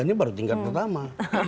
ini baru tingkat pertama